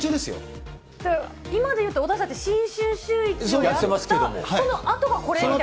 今で言うと私たち、新春シューイチをやったそのあとがこれみたいな？